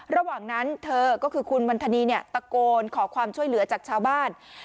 ระหว่างนั้นเธอก็คือคุณวันธนีเนี่ยตะโกนขอความช่วยเหลือจากชาวบ้าน